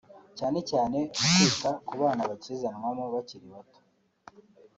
cyane cyane mu kwita ku bana bakizanwamo bakiri bato